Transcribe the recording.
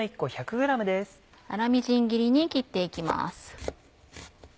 粗みじん切りに切っていきます。